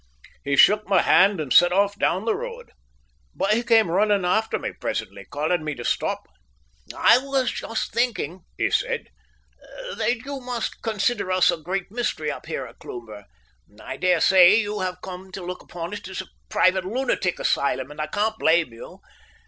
He shook my hand and set off down the road, but he came running after me presently, calling me to stop. "I was just thinking," he said, "that you must consider us a great mystery up there at Cloomber. I dare say you have come to look upon it as a private lunatic asylum, and I can't blame you.